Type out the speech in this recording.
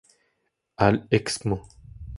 Al Excmo.